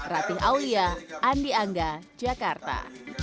ratih awya andi angga jakarta